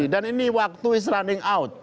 dan ini waktu is running out